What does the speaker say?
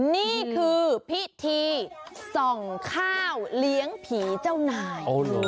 นี่คือพิธีส่องข้าวเลี้ยงผีเจ้านาย